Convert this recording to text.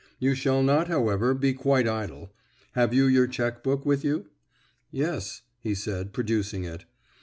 You shall not, however, be quite idle. Have you your cheque book with you?" "Yes," he said, producing it.